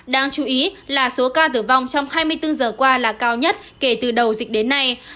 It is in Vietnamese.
đáng chú ý là số ca tử vong trong hai mươi bốn giờ qua là cao nhất kể từ đầu dịch đến nay